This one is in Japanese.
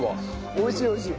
おいしいおいしい。